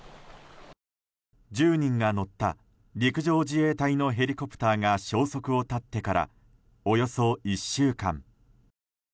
１０人が乗った陸上自衛隊のヘリコプターが消息を絶ってからおよそ１週間。